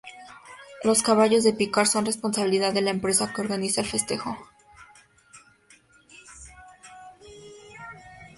Los caballos de picar son responsabilidad de la empresa que organiza el festejo.